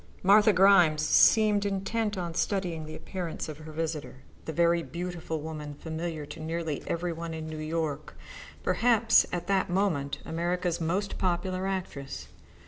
Martha Grimes seemed to be intent upon studying the appearance of her visitor, the very beautiful woman familiar to nearly every one in New York, perhaps at that moment America's most popular actress.